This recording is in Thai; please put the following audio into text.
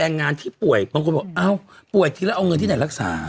เบาสร้างแบบจริงด้วยนะ